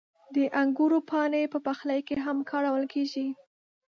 • د انګورو پاڼې په پخلي کې هم کارول کېږي.